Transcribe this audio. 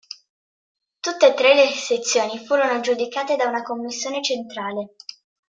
Tutte e tre le sezioni furono giudicate da una commissione centrale.